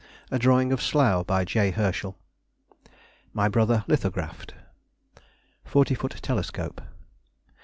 A drawing of Slough, by J. Herschel. My Brother, Lithographed. Forty foot Telescope.